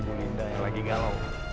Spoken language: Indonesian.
bu linda yang lagi galau